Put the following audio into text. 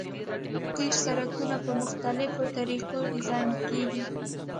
قیر سرکونه په مختلفو طریقو ډیزاین کیږي